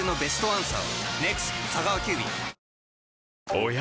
おや？